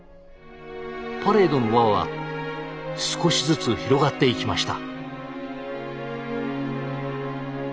パレードの輪は少しずつ広がっていきました。